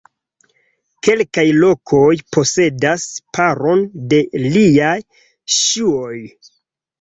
Kelkaj lokoj posedas paron de liaj ŝuoj.